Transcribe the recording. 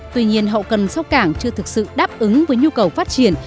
tuy nhiên hậu cần sau cảng chưa thực sự đáp ứng với nhu cầu phát triển